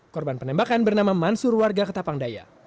korban penembakan bernama mansur warga ketapangdaya